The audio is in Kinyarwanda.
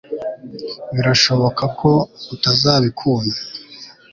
birashoboka ko utazabikunda